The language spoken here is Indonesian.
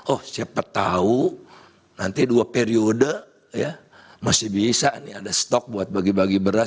oh siapa tahu nanti dua periode ya masih bisa nih ada stok buat bagi bagi beras